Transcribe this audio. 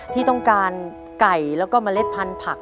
ที่ต้องการไก่แล้วก็เมล็ดพันธุ์ผัก